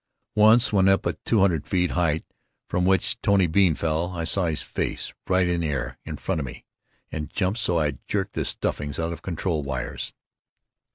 Once when up at 200 ft. heighth from which Tony Bean fell, I saw his face right in air in front of me and jumped so I jerked the stuffings out of control wires.